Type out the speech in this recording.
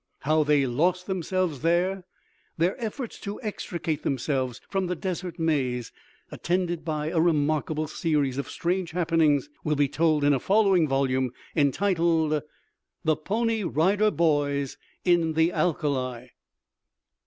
How they lost themselves there, their efforts to extricate themselves from the desert maze, attended by a remarkable series of strange happenings, will be told in a following volume entitled, "THE PONY RIDER BOYS IN THE ALKALI."